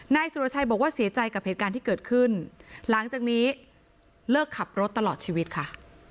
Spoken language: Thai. นายสุรชัยบอกว่าเสียใจกับเหตุการณ์ที่เกิดขึ้นหลังจากนี้เลิกขับรถตลอดชีวิตค่ะ